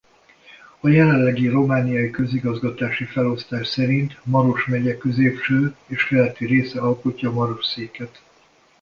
A jelenlegi romániai közigazgatási felosztás szerint Maros megye középső és keleti része alkotja Marosszéket.